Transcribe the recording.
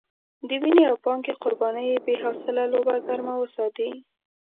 د وينې او پانګې قربانۍ بې حاصله لوبه ګرمه وساتي.